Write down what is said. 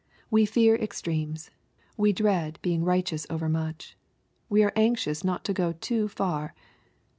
We fear extremes. We dread being righteous overmuch. We are anxious not to go too far.